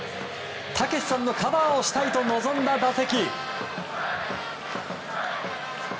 丈さんのカバーをしたいと臨んだ打席。